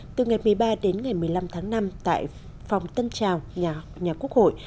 từ ngày một mươi ba đến ngày một mươi năm tháng năm tại phòng tân trào nhà quốc hội